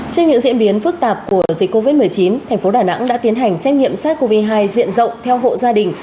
trên những diễn biến phức tạp của dịch covid một mươi chín thành phố đà nẵng đã tiến hành xét nghiệm sars cov hai diện rộng theo hộ gia đình